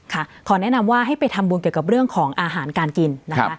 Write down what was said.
ขอแนะนำว่าให้ไปทำบุญเกี่ยวกับเรื่องของอาหารการกินนะคะ